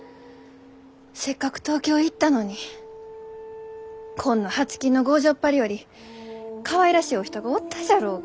せっかく東京行ったのにこんなはちきんの強情っぱりよりかわいらしいお人がおったじゃろうが。